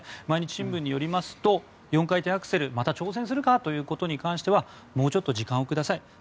毎日新聞によりますと４回転アクセルまた挑戦するか？ということについてもうちょっと時間をください。